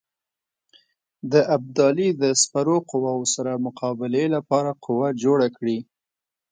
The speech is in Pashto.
د ابدالي د سپرو قواوو سره مقابلې لپاره قوه جوړه کړي.